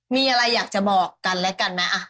มีอะไรอยากจะบอกกันและกันไหม